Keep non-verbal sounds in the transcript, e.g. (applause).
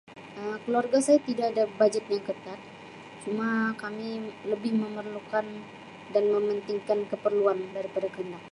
Um Keluarga saya tidak ada bajet yang ketat cuma kami lebih memerlukan dan mementingkan keperluan daripada. (unintelligible)